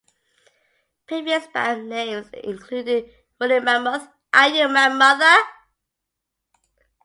Previous band names included Woolly Mammoth, Are You My Mother?